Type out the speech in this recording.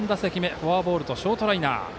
フォアボールとショートライナー。